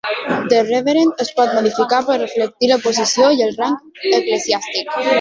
"The Reverend" es pot modificar per reflectir la posició i el rang eclesiàstic.